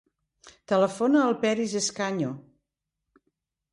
Telefona al Peris Escaño.